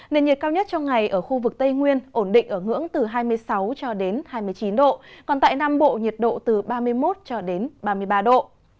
nền nhiệt cao nhất trong ngày ở khu vực tây nguyên ổn định ở ngưỡng từ hai mươi sáu cho đến hai mươi chín độ còn tại nam bộ nhiệt độ từ ba mươi một cho đến ba mươi ba độ